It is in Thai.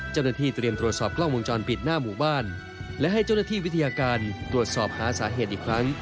เจ้าหน้าที่เตรียมตรวจสอบกล้องวงจรปิดหน้าหมู่บ้านและให้เจ้าหน้าที่วิทยาการตรวจสอบหาสาเหตุอีกครั้ง